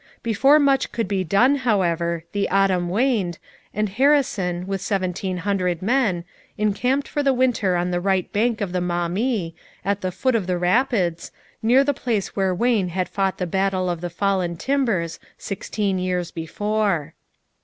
Before much could be done, however, the autumn waned, and Harrison, with seventeen hundred men, encamped for the winter on the right bank of the Maumee, at the foot of the rapids, near the place where Wayne had fought the battle of the Fallen Timbers sixteen years before.